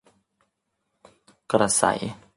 กระษัย